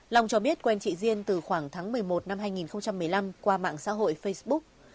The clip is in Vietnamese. long cho biết quen chị diên từ khoảng tháng một mươi một năm hai nghìn một mươi năm qua mạng xã hội facebook